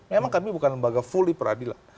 memang kami bukan lembaga volley peradilan